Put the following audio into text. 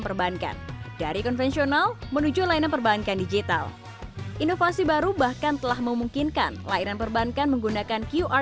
perbankan dari konvensional menuju layanan perbankan digital inovasi baru bahkan telah memungkinkan layanan perbankan menggunakan ipad di bisnis perbankan tersebut